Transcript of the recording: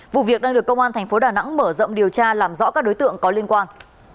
vụ việc đang được công an thành phố đà nẵng mở rộng điều tra làm rõ các đối tượng có liên quan